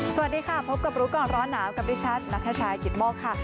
สวัสดีค่ะพบกับรู้ก่อนร้อนหนาวกับดิฉันนัทชายกิตโมกค่ะ